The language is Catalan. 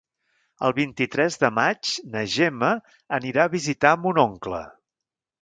El vint-i-tres de maig na Gemma anirà a visitar mon oncle.